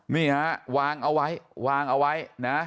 นี่ฮะวางเอาไว้วางเอาไว้นะ